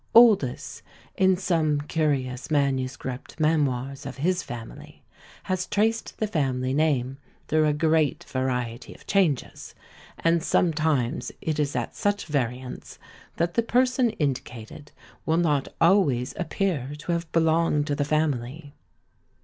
Oldys, in some curious manuscript memoirs of his family, has traced the family name through a great variety of changes, and sometimes it is at such variance that the person indicated will not always appear to have belonged to the family.